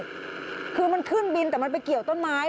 คือมันขึ้นบินแต่มันไปเกี่ยวต้นไม้